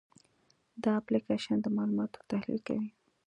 دا اپلیکیشن د معلوماتو تحلیل کوي.